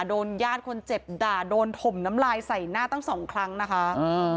ญาติคนเจ็บด่าโดนถมน้ำลายใส่หน้าตั้งสองครั้งนะคะอ่า